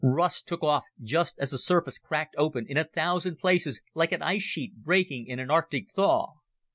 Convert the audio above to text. Russ took off just as the surface cracked open in a thousand places like an ice sheet breaking in an Arctic thaw.